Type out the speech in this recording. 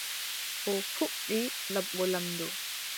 O fuɗɗi laɓgo laamɗo.